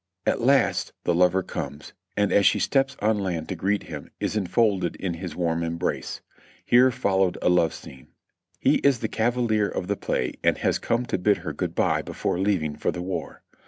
At last the lover comes, and as she steps on land to greet him is enfolded in his warm embrace. Here followed a love scene. He is the Cavalier of the play and has come to bid her good by before leaving for the war.